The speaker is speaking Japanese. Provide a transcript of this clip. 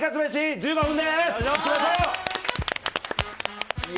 １５分です。